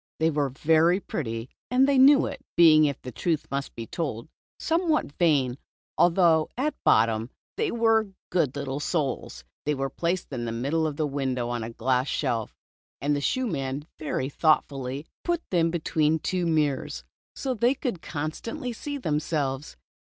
They were very pretty and they knew it, being, if the truth must be told, somewhat vain, although at bottom, they were good little soles. They were placed in the middle of the window on a glass shelf, and the shoe man very thoughtfully put them between two mirrors, so they could con stantly see themselves.